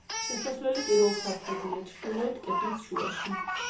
შესასვლელი პირველ სართულზეა, ჩრდილოეთ კედლის შუაში.